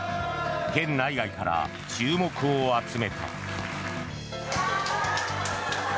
県内外から注目を集めた。